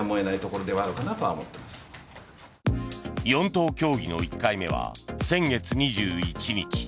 ４党協議の１回目は先月２１日。